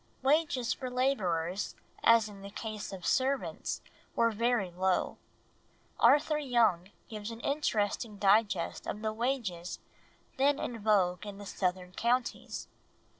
Wages for labourers, as in the case of servants, were very low. Arthur Young gives an interesting digest of the wages then in vogue in the southern counties.